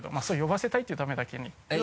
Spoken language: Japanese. そう呼ばせたいっていうためだけに。